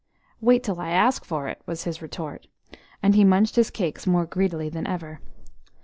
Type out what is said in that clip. "Wait till I ask for it," was his retort; and he munched his cakes more greedily than ever.